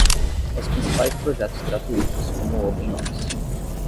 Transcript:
Os principais projetos gratuitos, como o OpenOffice.